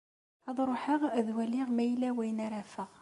Ad ruḥeɣ ad waliɣ ma yella wayen ara afeɣ.